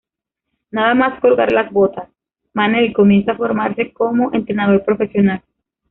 Nada más colgar las botas, Manel comienza a formarse como entrenador profesional.